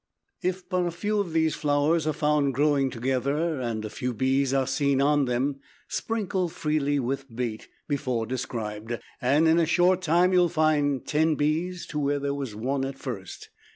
If but a few of these flowers are found growing together and a few bees are seen on them, sprinkle freely with bait before described, and in a short time you will find ten bees to where there was one at first.